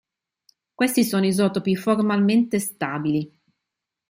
Questi sono gli isotopi formalmente stabili.